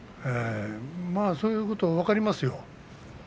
そういうことは分かりますよ。